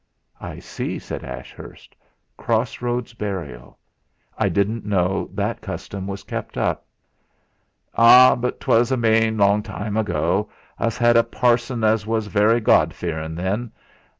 "I see!" said Ashurst. "Cross roads burial. I didn't know that custom was kept up." "Ah! but 'twas a main long time ago. Us 'ad a parson as was very God fearin' then.